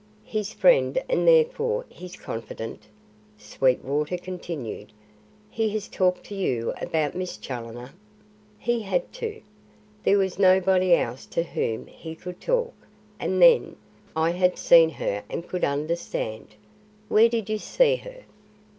"His friend and therefore his confidante," Sweetwater continued. "He has talked to you about Miss Challoner?" "He had to. There was nobody else to whom he could talk; and then, I had seen her and could understand." "Where did you see her?"